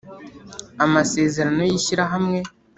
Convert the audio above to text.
amasezerano y’shyirahamwe.